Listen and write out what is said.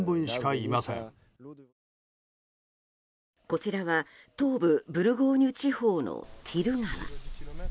こちらは東部ブルゴーニュ地方のティル川。